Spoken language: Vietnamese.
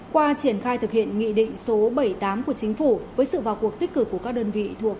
qua triển khai thực hiện nghị định số bảy mươi tám của chính phủ với sự vào cuộc tích cực của các đơn vị thuộc